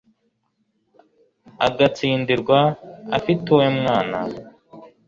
agatsindirwa afite uwe mwana